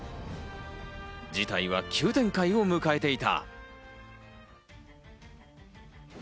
事態は急展開を迎えていた。